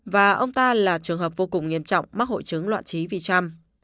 và ông ta là trường hợp vô cùng nghiêm trọng mắc hội chứng loạn trí vì trăm